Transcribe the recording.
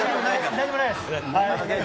何もないです。